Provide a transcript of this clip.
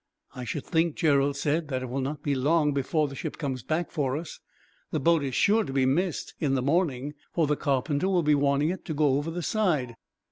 "I should think," Gerald said, "that it will not be long before the ship comes back for us. The boat is sure to be missed, in the morning, for the carpenter will be wanting it to go over the side.